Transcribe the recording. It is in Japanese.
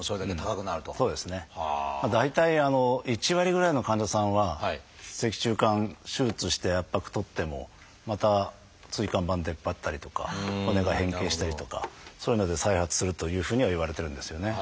大体１割ぐらいの患者さんは脊柱管手術をして圧迫取ってもまた椎間板出っ張ったりとか骨が変形したりとかそういうので再発するというふうにはいわれてるんですよね。